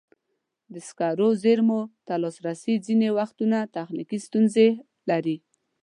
د سکرو زېرمو ته لاسرسی ځینې وختونه تخنیکي ستونزې لري.